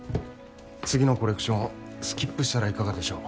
次のコレクションスキップしたらいかがでしょう？